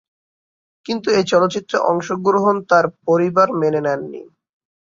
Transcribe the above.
কিন্তু এই চলচ্চিত্রে অংশগ্রহণ তার পরিবার মেনে নেয়নি।